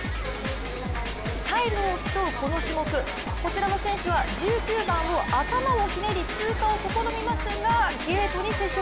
タイムを競うこの種目、こちらの選手は１９番を頭をひねり通過を試みますがゲートに接触。